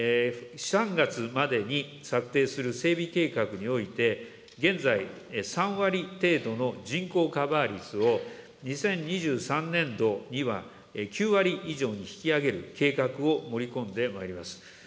３月までに策定する整備計画において、現在、３割程度の人口カバー率を、２０２３年度には９割以上に引き上げる計画を盛り込んでまいります。